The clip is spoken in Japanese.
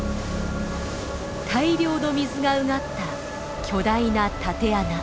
大量の水がうがった巨大な縦穴。